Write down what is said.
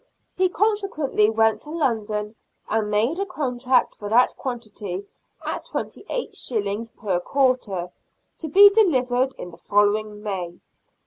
He consequently went to London and made a contract for that quantity at 28s. per quarter, to be delivered in the following May.